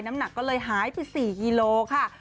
น้ำหนักก็เลยหายไป๔กิโลค่ะ